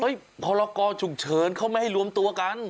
เฮ้ยเขาละกอฉุกเฉินเขาไม่ให้รวมตัวกัน